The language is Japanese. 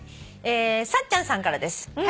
さっちゃんさんからです。